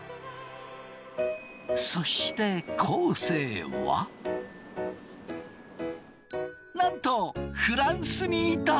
そして昴生はなんとフランスにいた！